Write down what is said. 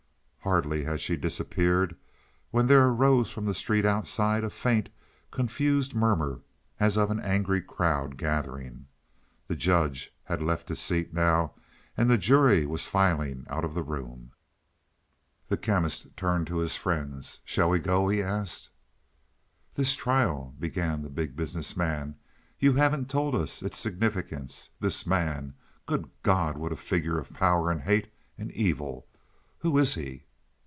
Hardly had she disappeared when there arose from the street outside a faint, confused murmur, as of an angry crowd gathering. The judge had left his seat now and the jury was filing out of the room. The Chemist turned to his friends. "Shall we go?" he asked. "This trial " began the Big Business Man. "You haven't told us its significance. This man good God what a figure of power and hate and evil. Who is he?"